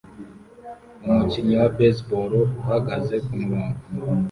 Umukinnyi wa baseball uhagaze kumurongo